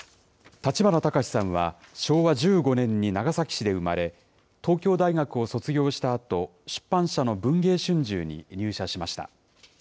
立花隆さんは昭和１５年に長崎市で生まれ、東京大学を卒業したあと、出版社の文藝春秋に入社しました。